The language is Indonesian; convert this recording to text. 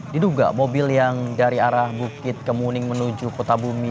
diduga mobil yang dari arah bukit kemuning menuju kota bumi